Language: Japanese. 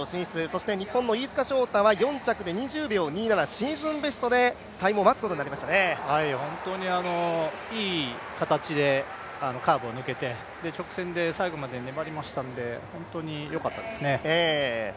そして日本の飯塚翔太４着で２０秒２７、シーズンベストで本当にいい形でカーブを抜けて、直線で最後まで粘りましたので、本当に良かったですね。